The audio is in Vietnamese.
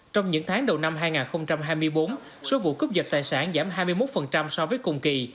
trong những tháng đầu năm hai nghìn hai mươi bốn số vụ cướp dật tài sản giảm hai mươi một so với cùng kỳ